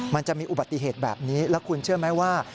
มันจะมีอุบัติเหตุแบบนี้แล้วคุณเชื่อไหมว่า